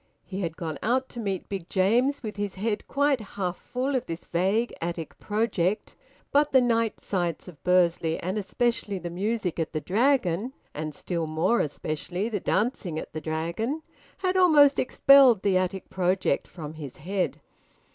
He had gone out to meet Big James with his head quite half full of this vague attic project, but the night sights of Bursley, and especially the music at the Dragon, and still more especially the dancing at the Dragon, had almost expelled the attic project from his head.